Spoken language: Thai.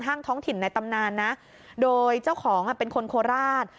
ท้องถิ่นในตำนานนะโดยเจ้าของเป็นคนโคราช